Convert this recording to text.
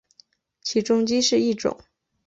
起重机是一种。